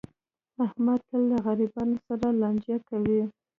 احمد تل له غریبانو سره لانجه کوي.